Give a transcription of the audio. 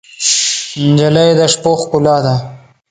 نجلۍ د شپو ښکلا ده.